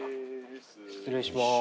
失礼します。